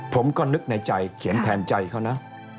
ผมก็นึกในใจเขียนแทนใจเขานะ